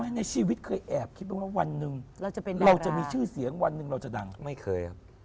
ในชีวิตเคยแอบคิดบ้างว่าวันหนึ่งเราจะมีชื่อเสียงวันหนึ่งเราจะดังไม่เคยครับ